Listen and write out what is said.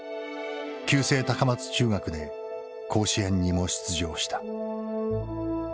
旧制高松中学で甲子園にも出場した。